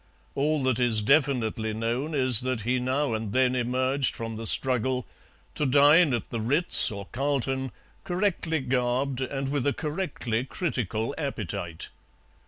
All that is definitely known is that he now and then emerged from the struggle to dine at the Ritz or Carlton, correctly garbed and with a correctly critical appetite.